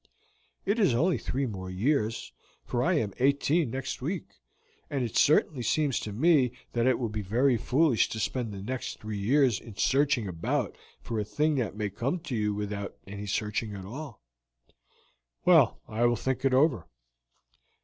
It is only three more years, for I am eighteen next week, and it certainly seems to me that it will be very foolish to spend the next three years in searching about for a thing that may come to you without any searching at all." "Well, I will think it over."